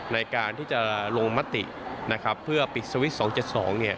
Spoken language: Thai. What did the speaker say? ในการที่จะลงมติเพื่อปิดสวิส๒๗๒